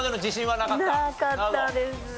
なかったです。